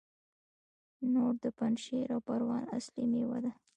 توت د پنجشیر او پروان اصلي میوه ده.